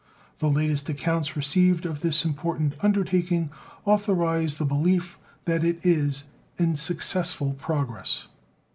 The latest accounts received of this important undertaking authorize the belief that it is in successful progress.